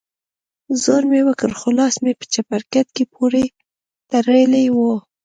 زور مې وکړ خو لاس مې په چپرکټ پورې تړلى و.